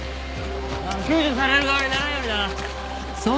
救助される側にならんようにな。